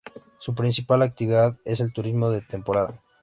Su principal actividad es el turismo de temporada.